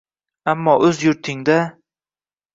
Ammo, o‘z yurtingda...